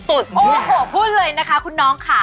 โอ้โหพูดเลยนะคะคุณน้องค่ะ